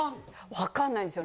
わかんないんですよ。